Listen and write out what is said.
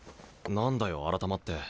何だよ改まって。